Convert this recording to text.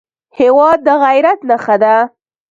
هېواد د غیرت نښه ده.